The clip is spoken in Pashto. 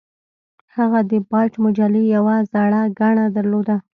هغه د بایټ مجلې یوه زړه ګڼه درلوده